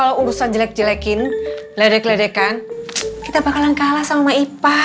kalau urusan jelek jelekin ledek ledekan kita bakalan kalah sama ipah